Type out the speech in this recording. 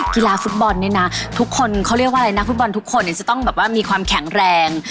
กีฬาฟุตบอลเนี่ยนะทุกคนเขาเรียกว่าอะไรนักฟุตบอลทุกคนเนี่ยจะต้องแบบว่ามีความแข็งแรง